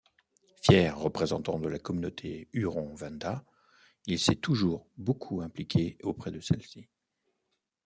Fier représentant de la communauté huron-wendat, il s'est toujours beaucoup impliqué auprès de celle-ci.